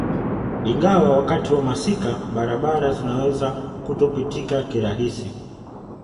Ingawa wakati wa masika barabara zinaweza kutopitika kirahisi